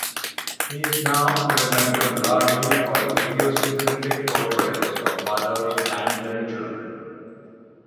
He is now remembered largely for his idiosyncratic portrayals of mothers and their children.